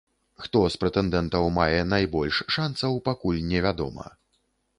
Хто з прэтэндэнтаў мае найбольш шанцаў, пакуль невядома.